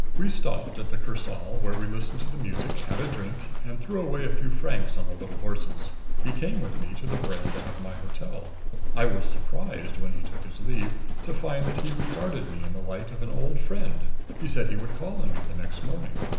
We stopped at the Kursaal, where we listened to the music, had a drink and threw away a few francs on the little horses. He came with me to the veranda of my hotel. I was surprised, when he took his leave, to find that he regarded me in the light of an old friend. He said he would call on me the next morning.